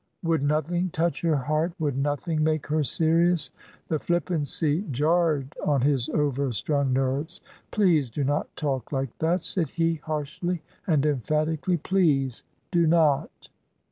Would nothing touch her heart? Would nothing make her serious? The flippancy jarred on his overstrung nerves. "Please do not talk like that," said he, harshly and emphatically. "Please do not."